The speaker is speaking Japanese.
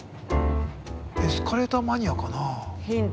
エスカレーターマニアかなぁ。